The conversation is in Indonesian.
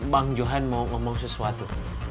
bang johan mau ngomong sesuatu